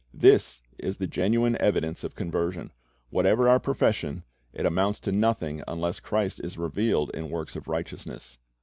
"' This is the genuine evidence of conversion. Whatever our profession, it amounts to nothing unless Christ is revealed in works of righteousness.